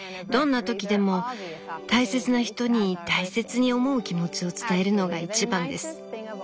どんな時でも大切な人に大切に思う気持ちを伝えるのが一番です。